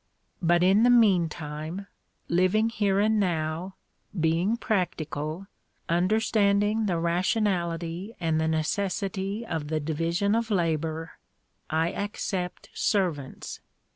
But in the meantime, living here and now, being practical, understanding the rationality and the necessity of the division of labour, I accept servants.